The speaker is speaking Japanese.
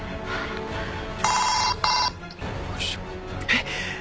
えっ！？